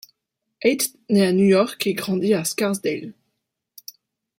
Haidt naît à New York et grandit à Scarsdale.